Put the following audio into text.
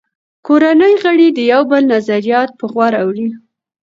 کورنۍ غړي د یو بل نظریات په غور اوري